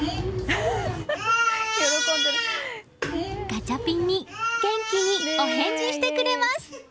ガチャピンに元気にお返事してくれます。